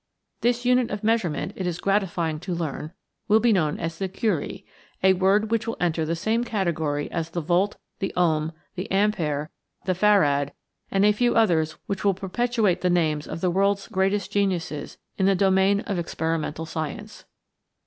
This unit of measurement, it is gratifying to learn, will be known as the curie a word which will enter the same category as the volt, the ohm, the ampère, the farad, and a few others which will perpetuate the names of the world's greatest geniuses in the domain of experimental science.